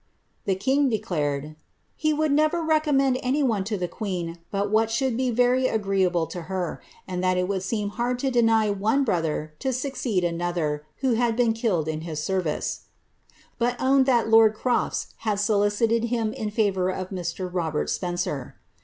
The king declared, ^ be would never recommend any one to the queen but what should be very agreeable to her, and that it would seem hard to deny one brother to succeed another who had been killed in his service," but owned that loid Crofts had solicited him in &vour of Mr. Robert Spencer.